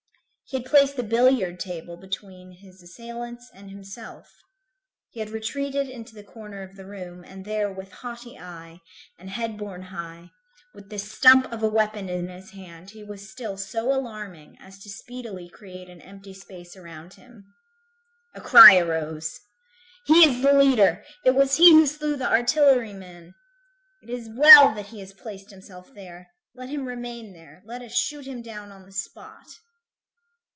He had placed the billiard table between his assailants and himself; he had retreated into the corner of the room, and there, with haughty eye, and head borne high, with this stump of a weapon in his hand, he was still so alarming as to speedily create an empty space around him. A cry arose: "He is the leader! It was he who slew the artillery man. It is well that he has placed himself there. Let him remain there. Let us shoot him down on the spot."